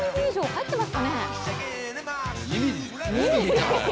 入ってますね。